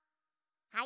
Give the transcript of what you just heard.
はい？